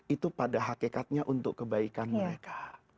itu pada hakikatnya untuk kebaikan mereka